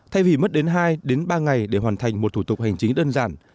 thay vì mất đến hai ba ngày để hoàn thành một thủ tục hành chính đơn giản